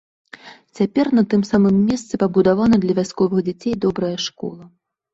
Цяпер на тым самым месцы пабудавана для вясковых дзяцей добрая школа.